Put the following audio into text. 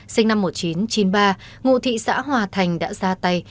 sinh năm một nghìn chín trăm chín mươi ba ngụ thị xã hòa thành đã ra tay